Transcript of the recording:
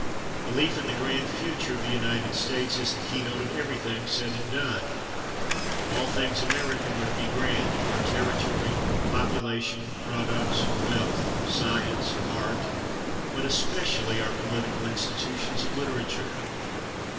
Belief in the grand future of the United States is the key note of everything said and done. All things American are to be grand our territory, population, products, wealth, science, art but especially our political institutions and literature.